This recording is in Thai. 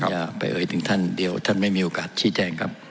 อย่าไปเอ่ยถึงท่านเดี๋ยวท่านไม่มีโอกาสชี้แจงครับ